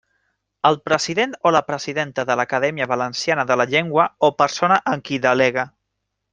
El president o la presidenta de l'Acadèmia Valenciana de la Llengua o persona en qui delegue.